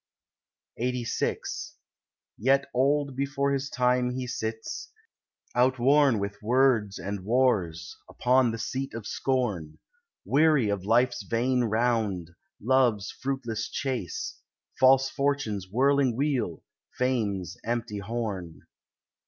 LXXXVI Yet old before his time he sits, out worn With words and wars, upon the seat of scorn; Weary of life's vain round, love's fruitless chase, False fortune's whirling wheel, fame's empty horn.